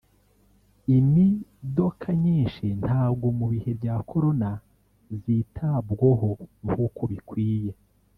Imidoka nyinshi ntago mubihe bya korona zitabwoho nkuko bikwiye